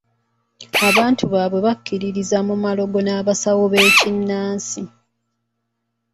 Abantu baabwe bakkiririza mu malogo n'abasawo b'ekinnansi.